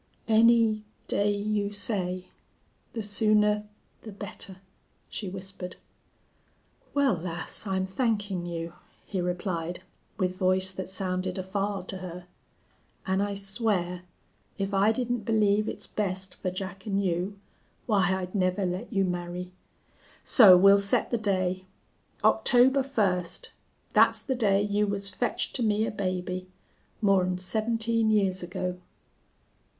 "Any day you say the sooner the better," she whispered. "Wal, lass, I'm thankin' you," he replied, with voice that sounded afar to her. "An' I swear, if I didn't believe it's best fer Jack an' you, why I'd never let you marry.... So we'll set the day. October first! Thet's the day you was fetched to me a baby more'n seventeen years ago."